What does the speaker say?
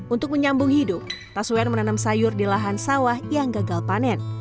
untuk menyambung hidup taswean menanam sayur di lahan sawah yang gagal panen